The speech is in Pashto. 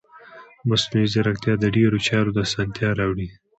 مصنوعي ځیرکتیا د ډیرو چارو اسانتیا راوړي.